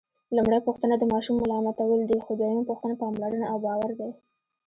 لومړۍ پوښتنه د ماشوم ملامتول دي، خو دویمه پوښتنه پاملرنه او باور دی.